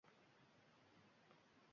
Tengqurlari allaqachon